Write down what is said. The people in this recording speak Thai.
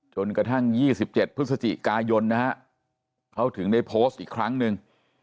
จนกระทั่ง๒๗พฤศจิกายนนะฮะเขาถึงได้โพสต์อีกครั้งหนึ่ง